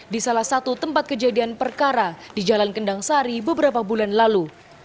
di salah satu tempat kejadian perkara di jalan kendang sari beberapa bulan lalu